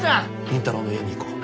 倫太郎の家に行こう。